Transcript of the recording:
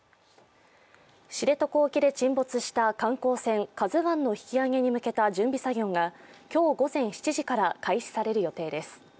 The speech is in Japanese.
知床沖で沈没した観光船「ＫＡＺＵⅠ」の引き揚げに向けた準備作業が今日午前７時から開始される予定です。